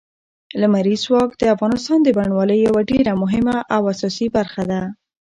لمریز ځواک د افغانستان د بڼوالۍ یوه ډېره مهمه او اساسي برخه ده.